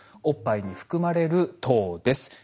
おっぱいに含まれる糖です。